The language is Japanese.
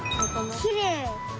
きれい！